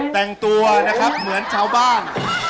แต่งตัวนะครับเหมือนชาวบ้าน